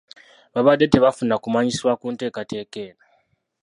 Babadde tebaafuna kumanyisibwa ku nteekateeka eno.